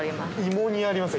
◆芋煮ありますよ。